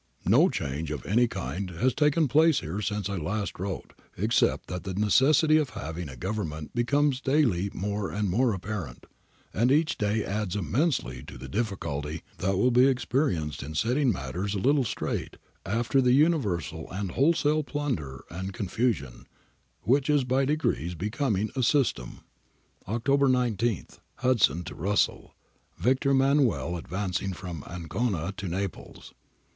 ]' No change of any kind has taken place here since I last wrote except that the necessity of having a Government becomes daily more and more apparent, and each day adds immensely to the difficulty that will be experienced in setting matters a little straight, after the universal and wholesale plunder and con fusion, which is by degrees becoming a system.' October 19. Hudson to Russell. [Victor Emmanuel ad vancing from Ancona to Naples.